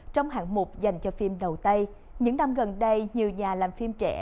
trong hạng mục dành cho phim đầu tây những năm gần đây nhiều nhà làm phim trẻ